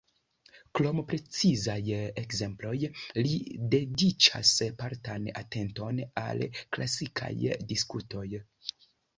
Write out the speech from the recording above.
Krom precizaj ekzemploj, li dediĉas partan atenton al klasikaj diskutoj.